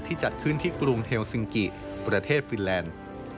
จัดขึ้นที่กรุงเทลซิงกิประเทศฟินแลนด์